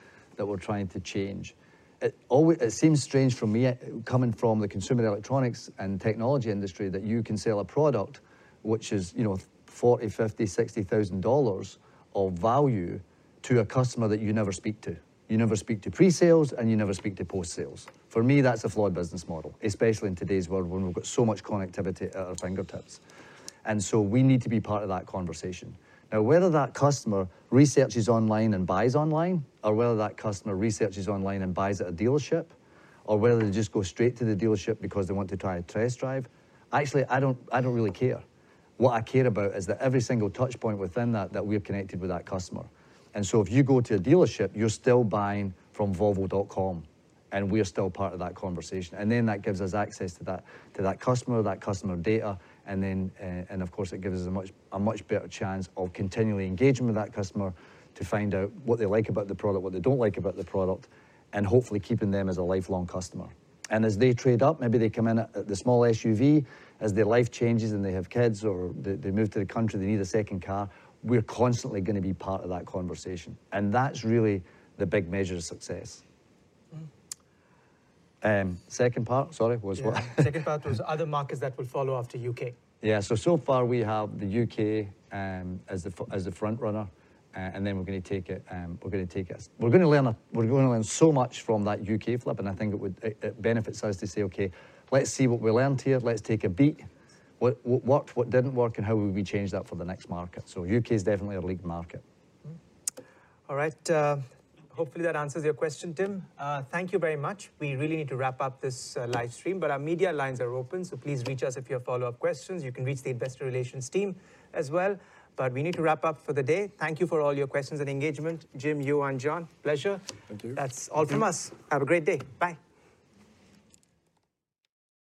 [SPEAKER 2] to change. It seems strange for me, coming from the consumer electronics and technology industry that you can sell a product which is, you know, $40,000, $50,000, $60,000 of value to a customer that you never speak to. You never speak to pre-sales, and you never speak to post-sales. For me, that's a flawed business model, especially in today's world when we've got so much connectivity at our fingertips. We need to be part of that conversation. Now, whether that customer researches online and buys online, or whether that customer researches online and buys at a dealership, or whether they just go straight to the dealership because they want to try a test drive, actually, I don't really care. What I care about is that every single touch point within that we're connected with that customer. If you go to a dealership, you're still buying from volvocars.com, and we are still part of that conversation. That gives us access to that customer, that customer data, and then, and of course it gives us a much better chance of continually engaging with that customer to find out what they like about the product, what they don't like about the product, and hopefully keeping them as a lifelong customer. As they trade up, maybe they come in at the small SUV, as their life changes and they have kids or they move to the country, they need a second car, we're constantly gonna be part of that conversation. That's really the big measure of success.
[SPEAKER 4] Mm.
[SPEAKER 2] Second part, sorry, was what?
[SPEAKER 1] Yeah. Second part was other markets that will follow after U.K.
[SPEAKER 2] Yeah. so far we have the U.K. as the front runner. we're gonna take it. We're gonna learn so much from that U.K. flip, I think it would benefit us to say, "Okay, let's see what we learned here. Let's take a beat. What worked, what didn't work, and how will we change that for the next market?" U.K. is definitely our lead market.
[SPEAKER 5] All right, hopefully that answers your question, Tim. Thank you very much. We really need to wrap up this live stream. Our media lines are open, so please reach us if you have follow-up questions. You can reach the investor relations team as well. We need to wrap up for the day. Thank you for all your questions and engagement. Jim, Johan, Jon, pleasure.
[SPEAKER 2] Thank you.
[SPEAKER 5] That's all from us. Have a great day. Bye.